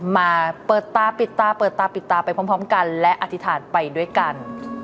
มาเปิดตาปิดตาเปิดตาปิดตาไปพร้อมกันและอธิษฐานไปด้วยกัน